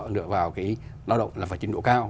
lựa vào cái lao động là phải trình độ cao